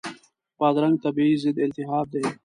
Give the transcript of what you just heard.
بادرنګ طبیعي ضد التهاب دی.